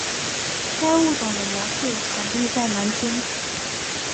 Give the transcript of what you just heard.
该物种的模式产地在南京。